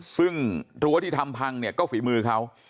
ซึ่งรั้วที่ทำพังเนี่ยก็ฝีมือเขา